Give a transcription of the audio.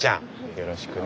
よろしくね。